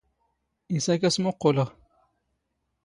ⵉⵙ ⴰⵔ ⴽⴰ ⵙⵎⵓⵇⵇⵓⵍⵖ.